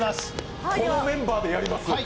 このメンバーでやります。